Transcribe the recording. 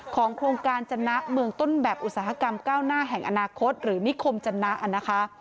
โครงการจนะเมืองต้นแบบอุตสาหกรรมก้าวหน้าแห่งอนาคตหรือนิคมจนะนะคะ